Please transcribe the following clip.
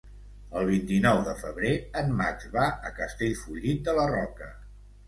El vint-i-nou de febrer en Max va a Castellfollit de la Roca.